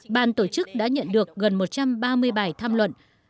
ban tổ chức đã nhận được gần một trăm ba mươi bài tham luận